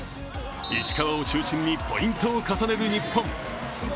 石川を中心にポイントを重ねる日本。